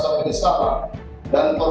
saya ingin menyampaikan peresahan